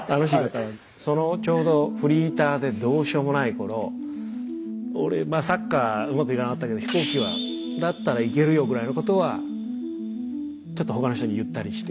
そのちょうどフリーターでどうしようもない頃俺サッカーうまくいかなかったけど飛行機だったらイケるよぐらいのことはちょっと他の人に言ったりして。